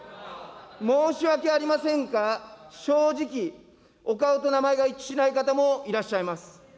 申し訳ありませんが、正直、お顔と名前が一致しない方もいらっしゃいます。